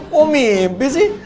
kok mimpi sih